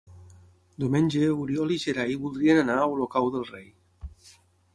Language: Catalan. Diumenge n'Oriol i en Gerai voldrien anar a Olocau del Rei.